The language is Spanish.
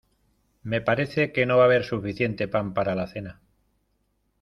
Me parece que no va a haber suficiente pan para la cena.